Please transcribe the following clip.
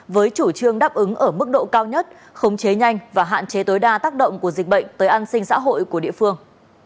với chủ trương đáp ứng ở mức độ cao nhất khống chế nhanh và hạn chế tối đa tác động của dịch bệnh tới an sinh xã hội của địa phương